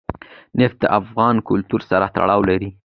نفت د افغان کلتور سره تړاو لري.